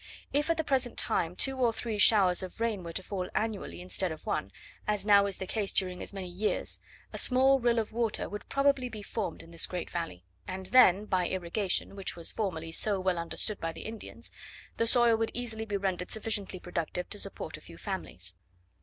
If at the present time two or three showers of rain were to fall annually, instead of one, as now is the case during as many years, a small rill of water would probably be formed in this great valley; and then, by irrigation (which was formerly so well understood by the Indians), the soil would easily be rendered sufficiently productive to support a few families.